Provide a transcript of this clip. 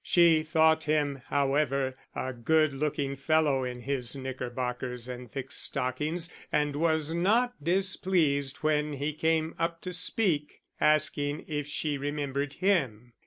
She thought him, however, a good looking fellow in his knickerbockers and thick stockings, and was not displeased when he came up to speak, asking if she remembered him.